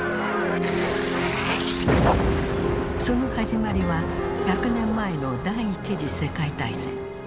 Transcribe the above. その始まりは１００年前の第一次世界大戦。